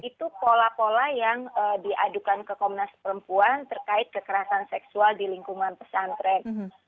itu pola pola yang diadukan ke komnas perempuan terkait kekerasan seksual di lingkungan pesantren